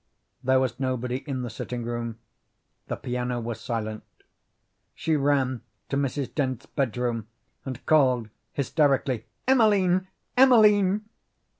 There was nobody in the sitting room; the piano was silent. She ran to Mrs. Dent's bedroom and called hysterically: "Emeline! Emeline!"